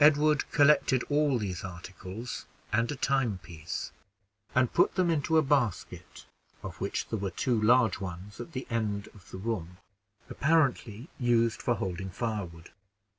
Edward collected all these articles, and a timepiece, and put them into a basket, of which there were two large ones at the end of the room, apparently used for holding firewood.